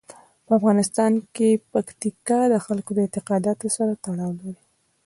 په افغانستان کې پکتیکا د خلکو د اعتقاداتو سره تړاو لري.